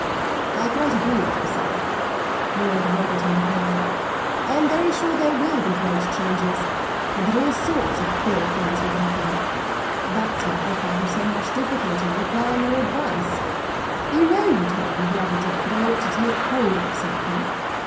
"I quite agree with you, sir," Lord Warburton declared. "I'm very sure there will be great changes, and that all sorts of queer things will happen. That's why I find so much difficulty in applying your advice; you know you told me the other day that I ought to 'take hold' of something.